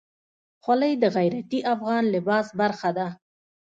خولۍ د غیرتي افغان لباس برخه ده.